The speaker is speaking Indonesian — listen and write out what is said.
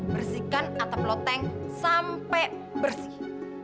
bersihkan atap loteng sampai bersih